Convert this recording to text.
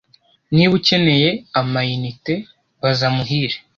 Niba ukeneye amaunite baza muhire